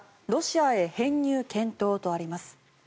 ロシアへ編入検討とあります。